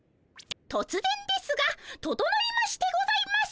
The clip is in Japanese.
とつぜんですがととのいましてございます。